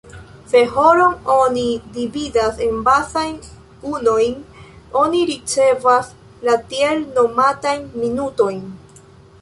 Se horon oni dividas en bazajn unuojn, oni ricevas la tiel nomatajn "minutojn".